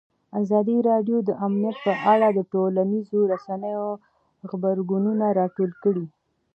ازادي راډیو د امنیت په اړه د ټولنیزو رسنیو غبرګونونه راټول کړي.